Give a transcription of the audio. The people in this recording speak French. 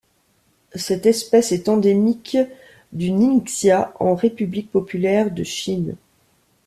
Cette espèce est endémique du Ningxia en République populaire de Chine.